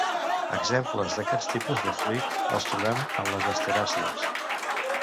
Exemples d'aquest tipus de fruit els trobem en les asteràcies.